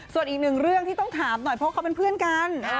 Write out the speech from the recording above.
ส่วนอีกหนึ่งเรื่องที่ต้องถามหน่อยเพราะเขาเป็นเพื่อนกัน